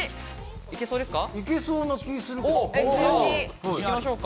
行けそうですか？